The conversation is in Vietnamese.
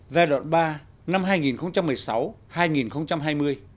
giai đoạn ba năm hai nghìn một mươi sáu hai nghìn hai mươi